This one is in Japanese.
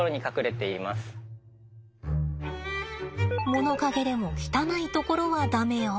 物陰でも汚いところは駄目よ。